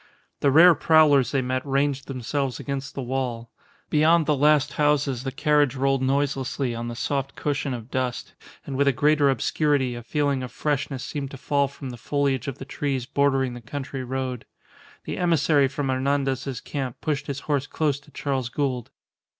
The rare prowlers they met ranged themselves against the wall. Beyond the last houses the carriage rolled noiselessly on the soft cushion of dust, and with a greater obscurity a feeling of freshness seemed to fall from the foliage of the trees bordering the country road. The emissary from Hernandez's camp pushed his horse close to Charles Gould.